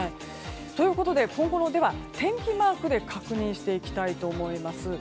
ということで今後のを天気マークで確認していきたいと思います。